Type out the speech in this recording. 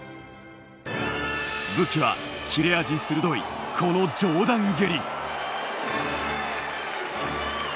武器は切れ味鋭い、この上段蹴り。